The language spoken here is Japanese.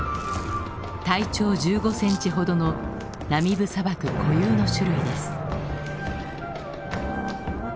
体長１５センチほどのナミブ砂漠固有の種類です。